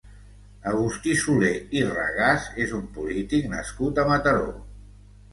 Agustí Soler i Regàs és un polític nascut a Mataró.